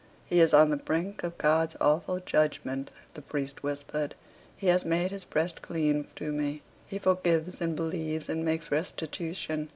"He is on the brink of God's awful judgment," the priest whispered. "He has made his breast clean to me. He forgives and believes, and makes restitution.